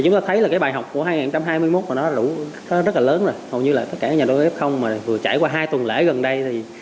chúng ta thấy bài học của hai nghìn hai mươi một rất là lớn rồi hầu như là tất cả nhà đầu tư f vừa trải qua hai tuần lễ gần đây